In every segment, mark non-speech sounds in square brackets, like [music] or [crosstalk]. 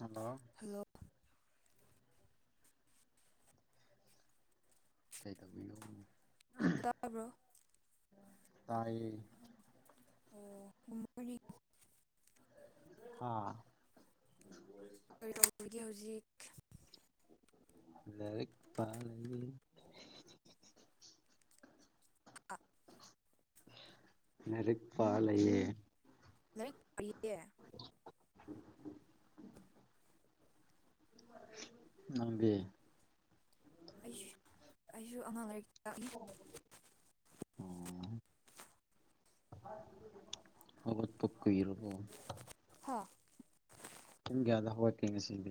Hello hello [inaudible] ꯇꯥꯕ꯭ꯔꯣ ꯇꯥꯢꯌꯦ [unintelligible] ꯍꯥ ꯀꯔꯤꯇꯧꯔꯤꯒꯦ ꯍꯧꯖꯤꯛ ꯂꯔꯤꯛ ꯄꯥꯔꯤ [inaudible] ꯂꯥꯔꯤꯛ ꯄꯥ ꯂꯩꯌꯦ [unintelligible] ꯅꯪꯗꯤ ꯑꯩꯁꯨ ꯑꯩꯁꯨ ꯑꯉꯥꯡ ꯂꯩꯥꯔꯤꯛ ꯇꯥꯛꯅꯤ [inaudible] ꯑꯣ ꯍꯧꯒꯠꯄ ꯀꯨꯏꯔꯕꯣ ꯍꯥ ꯄꯨꯡ ꯀꯌꯥꯗ ꯍꯧꯒꯛꯀꯦ ꯉꯁꯤꯗꯤ꯫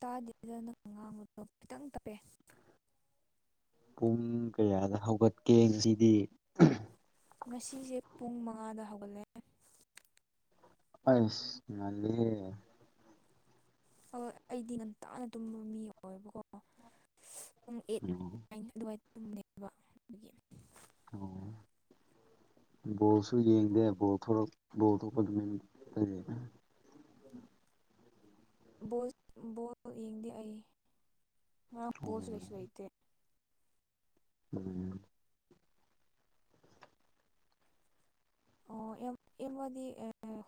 ꯇꯥꯗꯦꯗꯅꯪ ꯉꯥꯡꯕꯗꯣ ꯈꯤꯇꯪ ꯇꯞꯄꯦ ꯄꯨꯡ ꯀꯌꯥꯗ ꯍꯧꯒꯠꯀꯦ ꯉꯁꯤꯗꯤ꯫ ꯉꯁꯤꯁꯦ ꯄꯨꯡ ꯃꯉꯥꯗ ꯍꯧꯒꯠꯂꯛꯑꯦ ꯑꯁ ꯉꯜꯂꯤꯍꯦ ꯑ ꯑꯩꯗꯤ ꯉꯟꯇꯥꯥꯅ ꯇꯨꯝꯕ ꯃꯤ ꯑꯣꯏꯌꯦꯕꯀꯣ ꯄꯨꯡ ꯑꯩꯠ ꯎꯝ ꯅꯥꯏꯟ ꯑꯗꯨꯋꯥꯏ ꯇꯨꯝꯅꯦꯕ ꯑꯗꯨꯒꯤ [inaudible] ꯕꯣꯜꯁꯨ ꯌꯦꯡꯗꯦ ꯕꯣꯜ ꯊꯣꯔꯛ ꯊꯣꯛꯄꯃꯤꯔꯦꯅ ꯕꯣꯜ ꯕꯣꯜ ꯌꯦꯡꯗꯦ ꯑꯩ ꯉꯔꯥꯡ ꯑꯣ ꯕꯣꯜꯁꯨ ꯂꯩꯁꯨ ꯂꯩꯇꯦ ꯎꯝ ꯑꯣ ꯑꯦꯝ ꯑꯃꯗꯤ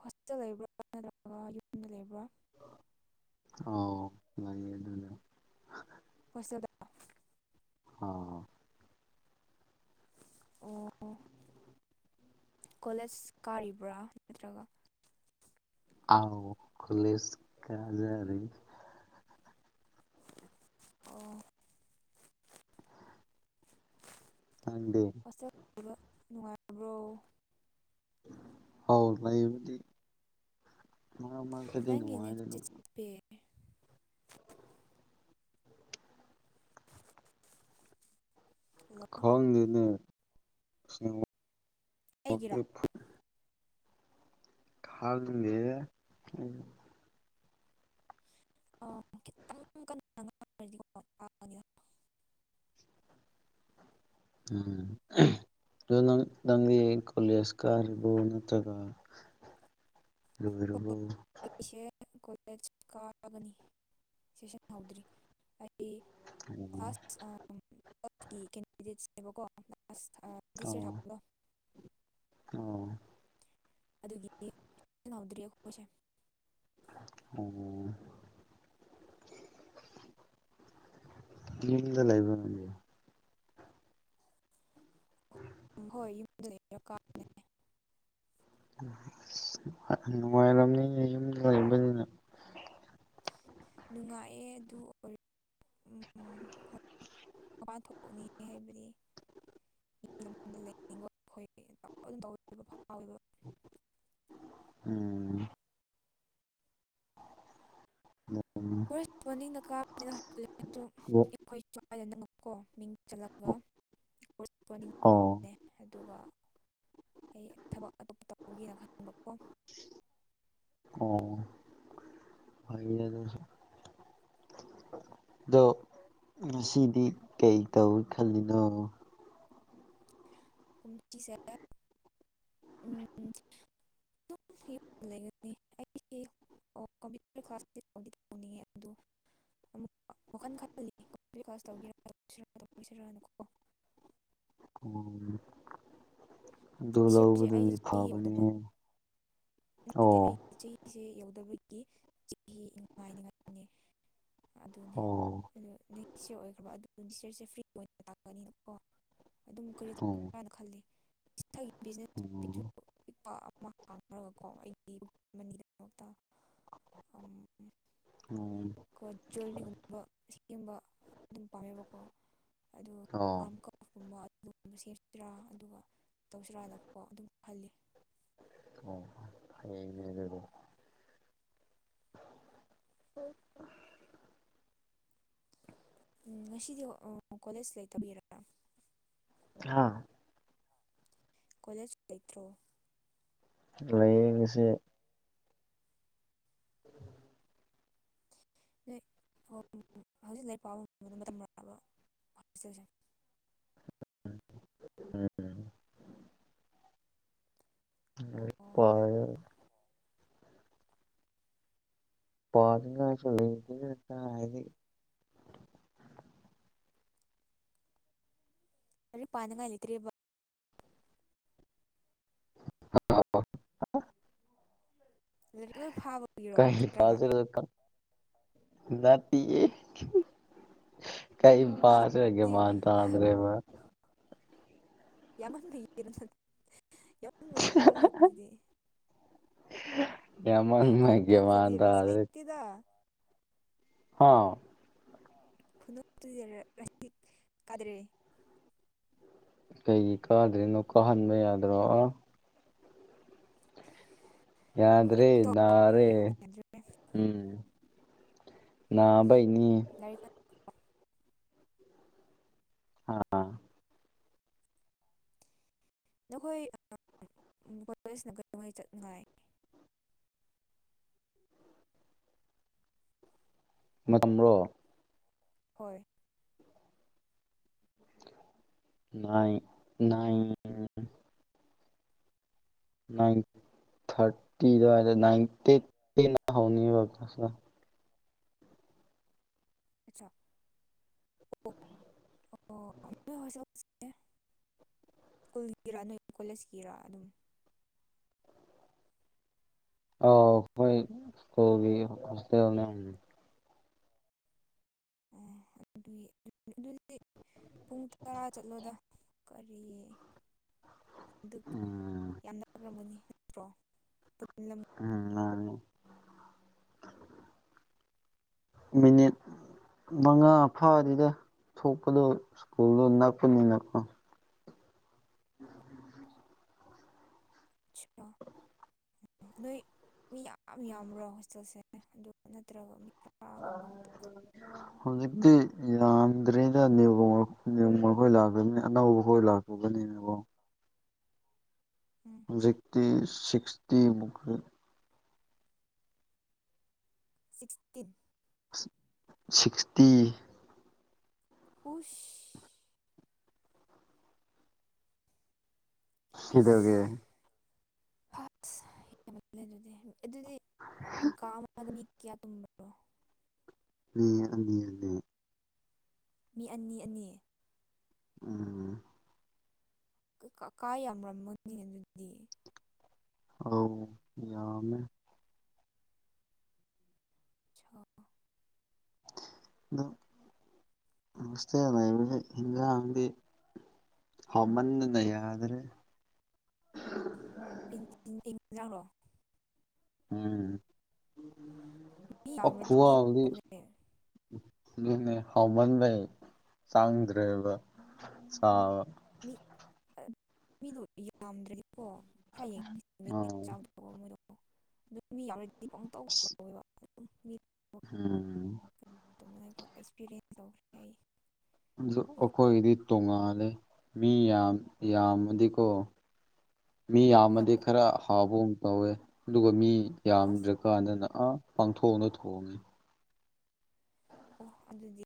ꯍꯣꯁꯇꯦꯜ ꯂꯩꯕ꯭ꯔꯥ ꯅꯠꯇ꯭ꯔꯒ ꯌꯨꯝꯗ ꯂꯩꯕ꯭ꯔꯥ ꯑꯣ ꯂꯩ ꯑꯗꯨꯅꯦ ꯄꯣꯇꯦꯜꯗ ꯑꯣ ꯑꯣ ꯀꯣꯂꯦꯖ ꯀꯥꯔꯤꯕ꯭ꯔꯥ ꯅꯠꯇ꯭ꯔꯒ ꯑꯥꯎ ꯀꯂꯦꯖ ꯀꯖꯔꯤ ꯑꯣ꯫ ꯈꯪꯗꯦ ꯑꯆꯕ ꯅꯨꯡꯉꯥꯏꯕ꯭ꯔꯣ ꯍꯥꯎ ꯂꯩꯕꯗꯤ ꯃꯔꯛ ꯃꯔꯛꯇꯗꯤ ꯅꯨꯉꯥꯏꯗ ꯑꯗꯨꯝ ꯄꯦ [inaudible] ꯈꯪꯗꯦꯅꯦ ꯑꯩꯒꯤꯔꯥ [unintelligible] ꯈꯥꯡ ꯗꯦꯗꯥ ꯑꯩꯖꯨ [unintelligible] [inaudible] ꯎꯝ ꯑꯗꯣ ꯅꯪ ꯅꯪꯒꯤ ꯀꯣꯂꯦꯖ ꯀꯥꯔꯤꯕꯣ ꯅꯠꯇ꯭ꯔꯒ [inaudible] ꯂꯣꯏꯔꯕꯣ ꯍꯣꯏ ꯑꯩꯁꯦ ꯀꯣꯂꯦꯖ ꯀꯥꯕꯅꯤ ꯁꯦꯁꯟ ꯍꯧꯗ꯭ꯔꯤ ꯑꯩꯗꯤ ꯑꯣ ꯀ꯭ꯂꯥꯁ ꯑꯝ ꯀꯤ ꯀꯦꯟꯗꯤꯗꯦꯠꯁꯅꯦꯕꯀꯣ ꯗꯤꯁ ꯌꯔ ꯑꯣ ꯊꯥꯕꯗꯣ ꯑꯣ ꯑꯗꯨꯒꯤꯅꯤ ꯍꯧꯗ꯭ꯔꯤ ꯑꯩꯈꯣꯏꯁꯦ ꯑꯣꯝ ꯌꯨꯝꯗ ꯂꯩꯕ꯭ꯔꯥ ꯅꯩꯗꯤ [unintelligible] ꯎꯝ ꯍꯣꯏ ꯌꯨꯝꯗ ꯀꯕꯅꯦ ꯅꯨꯡꯉꯥꯏ ꯅꯨꯡꯉꯥꯏꯔꯝꯅꯤꯅꯦ ꯌꯨꯝꯗ ꯂꯩꯔꯝꯕꯅꯤꯅ ꯅꯨꯡꯉꯥꯏꯑꯦ ꯑꯗꯨ ꯑꯣꯏ ꯎꯝ ꯍꯣꯏ ꯃꯄꯥꯟ ꯊꯣꯛꯎꯅꯤ ꯍꯥꯏꯕꯗꯤ꯫ [unintelligible] ꯗ ꯂꯩꯕ ꯑꯩꯈꯝ ꯇ ꯐꯥꯎꯋꯦꯕ꯫ ꯎꯝ ꯎꯝ ꯎꯝ [unintelligible] ꯅ ꯀꯥ ꯑꯩꯈꯣꯏ ꯁ꯭ꯋꯥꯏꯗ ꯅꯀꯣꯡ ꯆ ꯑꯣ [unintelligible] ꯑꯗꯨꯒ ꯑꯩ ꯊꯕꯛ ꯑꯇꯣꯞꯄ ꯇꯧꯒꯦꯅ ꯈꯟꯕꯀꯣ꯫ ꯑꯣ ꯐꯩ ꯑꯗꯨꯁꯨ꯫ ꯑꯗꯣ ꯉꯁꯤꯗꯤ ꯀꯩ ꯇꯧꯒꯦ ꯈꯜꯂꯤꯅꯣ? [unintelligible] [unintelligible] [unintelligible] ꯑꯃꯨꯛ ꯋꯥꯜ ꯈꯜ ꯈꯜꯂꯤ [unintelligible] [unintelligible] ꯑꯗꯨ ꯗꯤꯁ ꯌꯔꯁꯦ ꯂꯧꯕꯗꯨꯗꯤ ꯑꯩꯁꯦ ꯆꯍꯤ ꯐꯥꯕꯅꯤ ꯌꯧꯗꯕ ꯅꯠꯇꯦ ꯑꯩꯒꯤ ꯆꯍꯤꯁꯦ ꯌꯧꯗꯕꯒꯤ ꯆꯍꯤ ꯉꯥꯏꯅ ꯉꯥꯏꯅꯦ ꯑꯗꯨꯅꯦ ꯑꯣ ꯑꯗꯨ ꯑꯣꯏꯈ꯭ꯔꯕ ꯑꯗꯨ ꯗꯤꯔꯁꯦ ꯐ꯭ꯔꯤ ꯑꯣꯏꯅ ꯇꯥꯛꯒꯅꯤꯅꯀꯣ ꯑꯗꯨꯝ ꯀꯔꯤ ꯆꯨ ꯅ ꯈꯜꯂꯤ ꯏꯁꯥꯒꯤꯕꯤ ꯑꯣ ꯏꯄꯥ ꯑꯃ ꯍꯥꯡꯉꯒ ꯀꯣ ꯑꯩꯒꯤ ꯃꯅꯤꯒꯤꯗꯃꯛꯇ ꯑꯥꯝ ꯑꯣꯝ ꯀꯣ ꯖ꯭ꯋꯦꯔꯤꯒꯨꯝꯕ ꯁꯤꯒꯨꯝꯕ ꯑꯗꯨꯝ ꯄꯥꯝꯌꯦꯕꯀꯣ ꯑꯗꯣ ꯑꯣ ꯑꯥꯔꯝ ꯀ ꯀꯨꯝꯕ ꯑꯗꯨꯒꯨꯝꯕ ꯁꯦꯝꯁꯤꯔꯥ ꯑꯗꯨꯒ ꯇꯧꯁꯤꯔꯥꯅꯀꯣ ꯑꯗꯨꯝꯈꯜꯂꯤ꯫ ꯑꯣ ꯍꯌꯦꯡꯅꯦ ꯑꯗꯨꯗꯤ [unintelligible] ꯎꯝ ꯉꯁꯤꯗꯤ ꯀꯣꯂꯦꯖ ꯂꯩꯇꯕꯤꯔꯣ꯫ ꯍꯥ ꯀꯣꯂꯦꯖ ꯂꯩꯇ꯭ꯔꯣ? ꯂꯩꯌꯦ ꯉꯁꯤ꯫ ꯅꯣꯏ ꯍꯧꯖꯤꯛ ꯂꯩꯔꯤꯛ ꯄꯥꯕ ꯃꯇꯝ ꯃꯕ ꯍꯣꯜꯇꯦꯜ ꯁꯦ? ꯎꯝ ꯎꯝ꯫ ꯑꯣ [unintelligible] ꯄꯥꯅꯤꯉꯥꯏꯁꯨ ꯂꯩꯇꯦꯗꯥ ꯀꯥꯏꯗꯒꯤ ꯫ ꯂꯥꯏꯔꯤꯛ ꯄꯥꯅꯤꯉꯥꯏ ꯂꯩꯇ꯭ꯔꯦꯕꯥ? ꯂꯥꯏꯔꯤꯛ ꯂꯣꯏ ꯐꯥꯕꯒꯤꯔꯣ ꯀꯩ ꯅꯠꯇ꯭ꯔꯒ ꯄꯥꯁꯤꯔ ꯅꯠꯇꯤꯌꯦ ꯀꯩꯝ ꯑꯁ ꯄꯥꯗ꯭ꯔ ꯃꯦꯟ- ꯑꯗꯨꯗꯤ ꯃꯥꯟ ꯇꯗ꯭ꯔꯦꯕ꯫ [unintelligible] ꯌꯥꯝꯃꯟꯕꯩ ꯒꯌ꯭ꯥꯟ ꯃꯥꯟ ꯈꯨꯅꯣꯛꯇꯨꯗꯤ ꯇꯥꯗ꯭ꯔꯦ꯫ [unintelligible] ꯍꯥ [unintelligible] ꯀꯥꯗ꯭ꯔꯦ ꯀꯩꯒꯤ ꯀꯥꯗ꯭ꯔꯤꯅꯣ ꯀꯥꯍꯟꯕ ꯌꯥꯗ꯭ꯔꯣ ꯑ ꯌꯥꯗ꯭ꯔꯦ ꯈꯨꯅꯣꯛꯇꯣ ꯅꯥꯔꯦ ꯌꯥꯗ꯭ꯔꯦ ꯎꯝ꯫ ꯅꯥꯕꯩꯅꯤ [unintelligible] ꯑꯥ ꯅꯈꯣꯏ ꯀꯣꯂꯦꯖꯅ ꯀꯩꯗꯧꯉꯩ ꯆꯠꯅꯉꯥꯏ ꯃꯇꯝꯔꯣ? ꯍꯣꯏ [unintelligible] ꯅꯥꯏꯟ ꯊꯥꯔꯇꯤ ꯑꯗꯨꯋꯥꯏꯗ ꯅꯥꯏꯟ ꯇꯦꯟ ꯗ ꯍꯧꯅꯤꯕ꯫ [unintelligible] ꯁ꯭ꯀꯨꯜꯒꯤꯔ ꯅꯣꯏ ꯀꯣꯂꯦꯖꯀꯤꯔ ꯑꯗꯨꯝ? ꯑꯧ ꯍꯣꯏ ꯁ꯭ꯀꯨꯜꯒꯤ ꯍꯣꯁꯇꯦꯜ ꯅꯦ ꯫ ꯑ ꯑꯗꯨꯏ ꯑꯗꯨ ꯑꯗꯨꯗꯤ ꯄꯨꯡ ꯇꯔꯥ ꯆꯠꯂꯣꯗ ꯀꯔꯤ ꯑꯗꯨ ꯎꯝ ꯌꯥꯝ ꯂꯔꯝꯒꯅꯤ ꯅꯠꯇ꯭ꯔꯣ ꯎꯝ ꯃꯥ ꯃꯤꯅꯤꯠ ꯃꯉꯥ ꯐꯥꯗꯦꯗꯗ ꯊꯣꯛꯄꯗꯣ ꯁ꯭ꯀꯨꯜꯗꯣ ꯅꯛꯄꯅꯤꯅꯀꯣ ꯎꯝ ꯄ ꯎꯝ ꯅꯣꯏ ꯃꯤ ꯌꯥꯝ ꯌꯥꯝꯕ꯭ꯔꯣ ꯍꯣꯁꯇꯦꯜꯁꯦ ꯑꯗꯨ ꯅꯠꯇ꯭ꯔꯒ ꯃꯤ ꯇꯔꯥꯒꯨꯝꯕ ꯈ [inaudible] ꯍꯧꯖꯤꯛꯇꯤ ꯌꯥꯝꯗ꯭꯭ꯔꯤꯗ ꯅꯥꯎ ꯂꯥꯛꯇꯕꯅꯤ ꯑꯅꯧꯕ ꯈꯣꯏ ꯂꯥꯛꯇꯕꯅꯤ ꯀꯣ ꯫ ꯎꯝ ꯍꯨꯖꯤꯛꯇꯤ ꯁꯤꯛꯁꯇꯤꯃꯨꯛ ꯈꯔ ꯁꯤꯛꯁꯇꯤ ꯁꯤꯛꯁꯇꯤ ꯎꯁ! [unintelligible] ꯍꯁ ꯍꯦꯟꯃꯟꯂꯦ ꯑꯗꯨꯗꯤ ꯑꯗꯨꯗꯤ ꯀꯥ ꯑꯃꯗ ꯃꯤ ꯀꯌꯥꯝ ꯇꯨꯝꯕꯔꯣ? ꯃꯤ ꯑꯅꯤ- ꯑꯅꯤ꯫ ꯃꯤ ꯑꯅꯤ ꯑꯅꯤ ꯎꯝ ꯀꯥ ꯌꯥꯝꯔꯝꯃꯣꯏꯅꯤ ꯑꯗꯨꯗꯤ ꯑ ꯌꯥꯃꯦ ꯆ ꯑ ꯅꯁꯦ ꯏ ꯍꯗꯤ ꯍꯃꯟ ꯅꯗ꯭ꯔꯦ ꯆꯥꯡꯔꯣ ꯎꯝ ꯃꯤ ꯌꯥꯝꯔꯗꯤ ꯑꯈꯣꯋꯥꯗꯤ ꯇꯧꯕꯅꯦ ꯑꯗꯨꯅꯦ ꯍꯥꯎꯃꯟꯕꯩ ꯆꯥꯡꯗ꯭ꯔꯦꯕ ꯆꯕ ꯃꯤ ꯃꯤꯗꯣ ꯌꯥꯝꯗ꯭ꯔꯗꯤꯀꯣ ꯈꯔ ꯌꯦꯡ ꯑꯥ ꯑꯣ ꯃꯣꯏꯗꯣ ꯑꯗꯨ ꯃꯤ ꯌꯥꯎꯔꯗꯤ ꯄ ꯑꯁ ꯇꯋꯦ ꯎꯝ ꯇꯧꯉꯥꯏ ꯑꯦꯛꯁꯄꯤꯔꯤꯌꯦꯟꯁ ꯇꯧꯈ꯭ꯔꯦ ꯑꯩ ꯑꯗꯨꯖꯨ ꯑꯈꯣꯏꯒꯤꯗꯤ ꯇꯣꯡꯉꯥꯜꯂꯦ ꯃꯤ ꯌꯥꯝ ꯌꯥꯝꯃꯗꯤꯀꯣ ꯃꯤ ꯍꯣꯏ ꯌꯥꯝꯃꯗꯤ ꯈꯔ ꯍꯥꯎꯕꯒ ꯇꯧꯋꯦ ꯑꯗꯨꯒ ꯃꯤ ꯍꯁ ꯌꯥꯝꯗ꯭ꯔ ꯀꯥꯟꯗꯅ ꯑꯥ ꯄꯥꯡꯊꯣꯛꯅ ꯊꯣꯡꯉꯦ ꯑꯣ ꯑꯗꯨꯗꯤ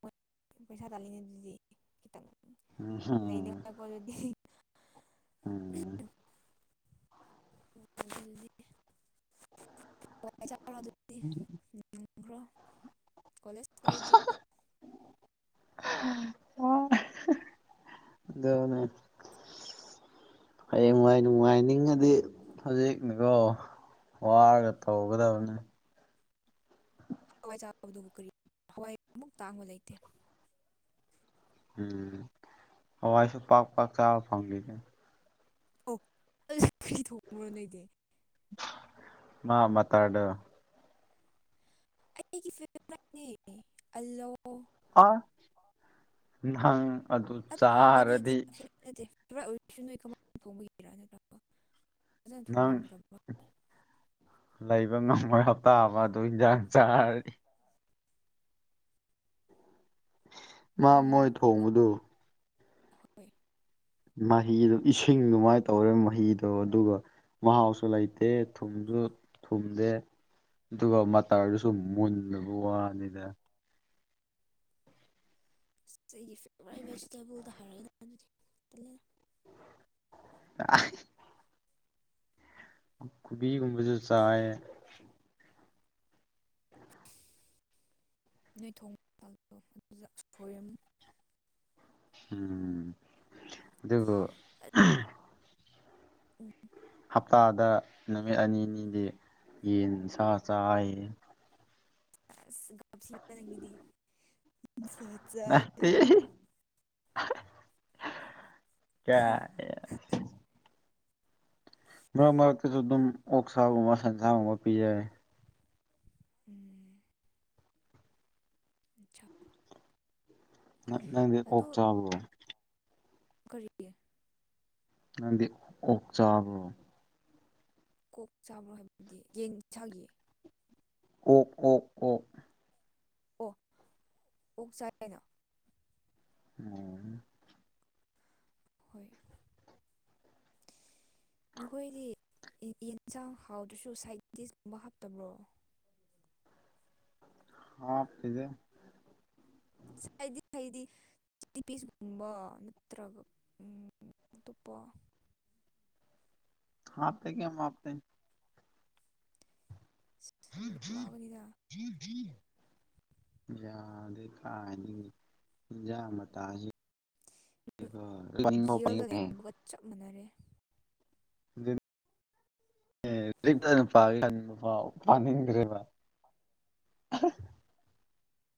ꯃꯣꯏ ꯄꯩꯁꯥ ꯇꯥꯜꯂꯤꯅꯦ ꯑꯗꯨꯗꯤ ꯈꯤꯇꯪ ꯎꯝ ꯂꯩꯅꯦꯀꯥꯏꯀꯣ ꯑꯗꯨꯗꯤ ꯎꯝ ꯗꯤ ꯑꯗꯨꯗꯤ ꯈ꯭ꯔꯣ ꯀꯣꯂꯦꯖ ꯑꯣꯏꯗ꯭ꯔꯤ ꯑꯣ ꯑꯗꯅ ꯍꯌꯦꯡ ꯅꯨꯡꯉꯥꯏꯅꯤꯡꯉꯗꯤ ꯍꯧꯖꯤꯛꯅꯤꯀꯣ ꯋꯥꯒ ꯇꯧꯒꯗꯕꯅꯦ ꯍꯋꯥꯏ ꯆꯥꯕꯗꯨꯕꯨ ꯀꯔꯤ ꯍꯋꯥꯏ ꯑꯃꯨꯛ ꯇꯥꯡꯕ ꯂꯩꯇꯦ ꯎꯝ ꯍꯋꯥꯏꯁꯨ ꯄꯥꯛ ꯄꯥꯛ ꯆꯥꯕ ꯐꯪꯈꯤꯅꯦ ꯑꯣ ꯑꯗꯨ ꯀꯔꯤ ꯊꯣꯡꯉꯨꯔꯣ ꯅꯣꯏꯗꯤ ꯃꯥꯃ ꯇꯥꯗꯣ ꯑꯩꯒꯤ ꯐꯦꯚꯠꯅꯤ ꯑꯜꯂꯣ ꯑꯥ ꯅꯪ ꯑꯗꯨ ꯅꯠꯇꯦ ꯅꯠꯇꯦ ꯆꯥꯔꯗꯤ ꯐꯦꯚꯣꯔꯥꯏꯠ ꯅꯠꯇꯦ ꯑꯣꯏꯔꯤꯁꯨ ꯅꯣꯏ ꯀꯃꯥꯏ ꯊꯣꯡꯕꯒꯤꯔꯥ ꯅꯠꯇ꯭ꯔꯣ ꯐꯖꯅ ꯅꯪ ꯊꯣꯉꯝꯗ꯭ꯔꯕꯣ ꯂꯩꯕ ꯉꯝꯃꯣꯏ ꯍꯞꯇꯥ ꯑꯃ ꯑꯗꯨ ꯏꯟꯖꯥꯡ ꯆꯥꯔꯅꯤ ꯃꯥ ꯃꯣꯏ ꯎꯝ ꯍꯣꯏ ꯊꯣꯡꯕꯗꯨ ꯍꯣꯏ ꯃꯍꯤꯗꯣ ꯏꯁꯤꯡ ꯑꯗꯨꯃꯥꯏꯅ ꯇꯧꯔꯦ ꯃꯍꯤꯗꯣ ꯑꯗꯨꯒ ꯃꯍꯥꯎꯁꯨ ꯂꯩꯇꯦ ꯊꯨꯝꯁꯨ ꯊꯨꯝꯗꯦ ꯑꯗꯨꯒ ꯃꯇꯔꯗꯨꯁꯨ ꯃꯨꯟꯗꯕ ꯋꯥꯅꯤꯗ ꯑꯁ ꯑꯩꯒꯤ ꯐꯦꯚꯣꯔꯥꯏꯠ ꯚꯦꯖꯤꯇꯦꯕꯜꯗ ꯍꯥꯏꯔꯛꯑꯦꯗ ꯑꯗꯨꯗꯤ ꯇꯜꯂꯦꯗ [unintelligible] ꯈꯨ ꯈꯨꯕꯤꯒꯨꯝꯕꯁꯨ ꯆꯥꯏꯌꯦ ꯅꯣꯏ ꯊꯣꯡ [unintelligible] ꯗꯣ ꯑꯗꯨꯗ ꯑꯁ ꯐꯣꯏꯔꯝꯅꯤ ꯎꯝ ꯑꯗꯨ ꯍꯞꯇꯥꯗ ꯅꯨꯃꯤꯠ ꯑꯅꯤꯅꯤꯗꯤ ꯌꯦꯟꯁ ꯆꯥꯏ ꯁꯂꯗꯤ ꯆ ꯅ ꯀꯌꯥ ꯃ ꯃꯔꯔꯛꯇꯁꯨ ꯑꯗꯨꯝ ꯑꯣꯛꯁꯥꯒꯨꯝꯕ ꯁꯦꯟꯁꯥꯒꯨꯝꯕ ꯄꯤꯖꯔ ꯎꯝ ꯆ ꯅ ꯅꯪꯗꯤ ꯑꯣꯛ ꯑꯗꯣ ꯆꯥꯕ꯭ꯔꯣ ꯀꯔꯤ ꯅꯪꯗꯤ ꯑꯣꯛ ꯆꯥꯕ꯭ꯔꯣ ꯀꯣꯛ ꯆꯥꯕ꯭ꯔꯣ ꯍꯥꯏꯕꯗꯤ ꯌꯦꯟ ꯆꯥꯒꯤꯌꯦ ꯑꯣꯛ ꯑꯣꯛ ꯑꯣꯛ ꯑꯣ ꯑꯣꯛ ꯆꯥꯏꯅꯣ ꯎꯝ ꯍꯣꯏ ꯅꯈꯣꯏꯗꯤ ꯌꯦ ꯌꯦꯟꯁꯥꯡ ꯍꯥꯎꯗ꯭ꯔꯁꯨ ꯁꯥꯏꯠ ꯗꯤꯁ ꯀꯨꯝꯕ ꯍꯥꯞꯇꯕ꯭ꯔꯣ ꯍꯥꯞꯇꯦꯗ ꯁꯥꯏꯗꯤ ꯐꯩꯗꯤ ꯆꯤꯂꯤ ꯄꯦꯁꯒꯨꯝꯕ ꯅꯠꯇ꯭ꯔꯒ ꯎꯝ ꯑꯇꯣꯞꯄ ꯍꯥꯞꯇꯦ ꯀꯦꯝ ꯍꯥꯞꯇꯦ ꯑꯁ ꯑꯗꯨꯒꯤ ꯋꯥꯕꯅꯤꯗ [inaudible] ꯌꯥꯗꯦ ꯀꯥꯏꯗꯒꯤ ꯍꯤꯟꯖꯥꯡ ꯃꯇꯥꯁꯤ ꯑꯗꯨ ꯖꯦꯜꯗ ꯂꯩꯕꯒ ꯆꯞ ꯃꯥꯟꯅꯔꯦ ꯑꯗꯨ ꯅꯦ [unintelligible] ꯄꯥꯅꯤꯡꯗ꯭ꯔꯦꯕ [inaudible]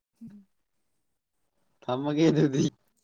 [inaudible] ꯊꯝꯃꯒꯦ ꯑꯗꯨꯗꯤ